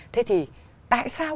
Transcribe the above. thế thì tại sao